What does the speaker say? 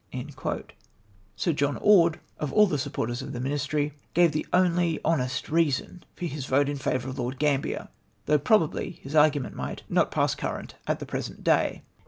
''' Sir John Orde, of all the sup])orters of the ministry, gave the only honest reason for his vote in favour of Lord Gamljier, though probably his argument might sm FrwVNCis burdett's oriMox. 11.5 not pass current at the present day.